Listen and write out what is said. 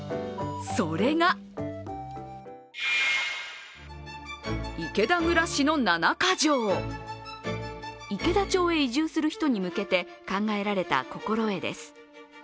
それが池田町へ移住する人に向けて考えられた心得です。